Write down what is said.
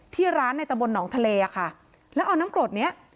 ที่ร้านในตะบนหนองทะเลอ่ะค่ะแล้วเอาน้ำกรดเนี้ย